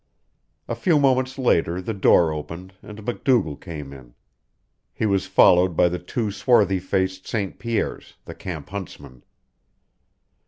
A few moments later the door opened and MacDougall came in. He was followed by the two swarthy faced St. Pierres, the camp huntsmen.